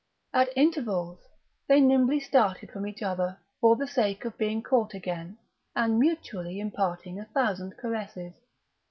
At intervals they nimbly started from each other, for the sake of being caught again, and mutually imparting a thousand caresses.